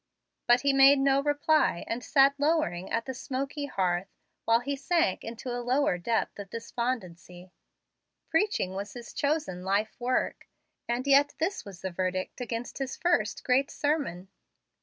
But he made no reply, and sat lowering at the smoky hearth while he sank into a lower depth of despondency. Preaching was his chosen life work, and yet this was the verdict against his first great sermon.